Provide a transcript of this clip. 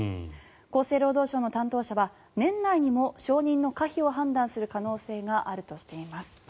厚生労働省の担当者は年内にも承認の可否を判断する可能性があるとしています。